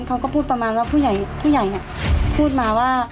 เขาก็พูดประมาณว่าผู้ใหญ่พูดมาว่า